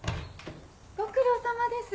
ご苦労さまです。